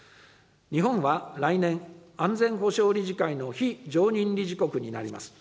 日本は来年、安全保障理事会の非常任理事国になります。